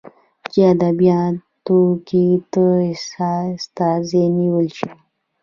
چې ادبياتو کې ته استادي نيولى شې.